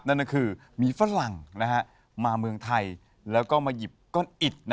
นั่นก็คือมีฝรั่งมาเมืองไทยแล้วก็มาหยิบก้อนอิด